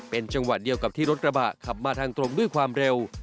เป็นจังหวะเดียวกับที่รถกระบะขับมาทางตรงด้วยความเร็ว